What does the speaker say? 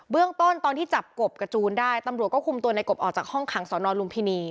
เรื่องต้นตอนที่จับกบกับจูนได้ตำรวจก็คุมตัวในกบออกจากห้องขังสอนอนลุมพินี